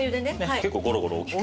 結構ゴロゴロ大きく。